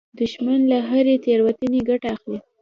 دښمن له هرې تېروتنې ګټه اخلي